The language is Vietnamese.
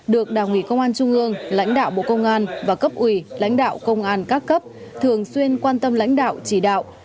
được đảng ủy công an trung ương lãnh đạo bộ công an và cấp ủy lãnh đạo công an các cấp thường xuyên quan tâm lãnh đạo chỉ đạo